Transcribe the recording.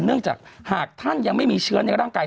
เนื่องจากหากท่านยังไม่มีเชื้อในร่างกาย